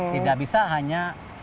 tidak bisa hanya